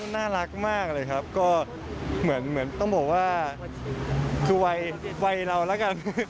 น่ารักมากเลยครับก็เหมือนต้องบอกว่าคือวัยเราแล้วกัน